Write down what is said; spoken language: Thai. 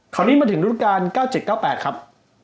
คราวนี้มาถึงรุ่นการ๙๗๙๘ครับ